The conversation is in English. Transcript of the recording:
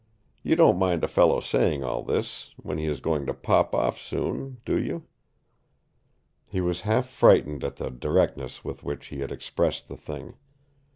You don't mind a fellow saying all this when he is going to pop off soon do you?" He was half frightened at the directness with which he had expressed the thing.